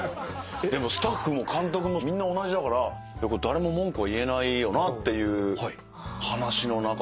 でもスタッフも監督もみんな同じだから誰も文句は言えないよなっていう話の中ですけど。